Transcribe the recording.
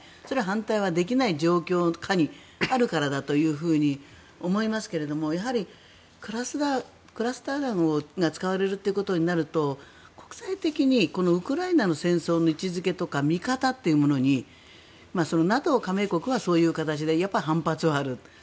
反対はできない状況下にあるからだと思いますけれどもやはり、クラスター弾が使われるということになると国際的にウクライナの戦争の位置付けとか見方というものにＮＡＴＯ加盟国はそういう形で反発はある。